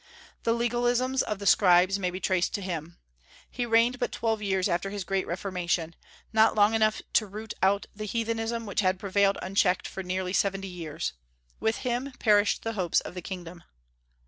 The legalisms of the Scribes may be traced to him. He reigned but twelve years after his great reformation, not long enough to root out the heathenism which had prevailed unchecked for nearly seventy years. With him perished the hopes of the kingdom.